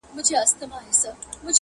له هر چا نه اول په خپل ځان باور ولره،